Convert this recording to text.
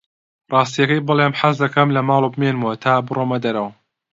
ڕاستییەکەی بڵێم، حەز دەکەم لە ماڵەوە بمێنمەوە تا بڕۆمە دەرەوە.